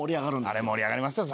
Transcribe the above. あれ盛り上がりますよ